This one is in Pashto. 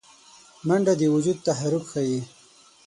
منډه د وجود تحرک ښيي